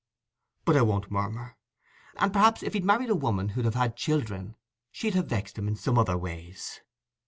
But I won't murmur; and perhaps if he'd married a woman who'd have had children, she'd have vexed him in other ways."